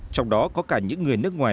trong đó có cả những người nước ngoài